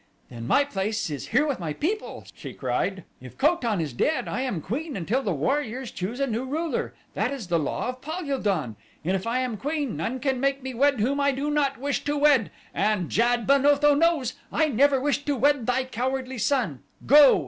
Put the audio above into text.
"Then my place is here with my people," she cried. "If Ko tan is dead I am queen until the warriors choose a new ruler that is the law of Pal ul don. And if I am queen none can make me wed whom I do not wish to wed and Jad ben Otho knows I never wished to wed thy cowardly son. Go!"